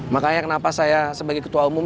makanya kenapa saya sebagai ketua umum